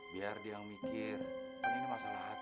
biar dia yang mikir ini masalah hati dia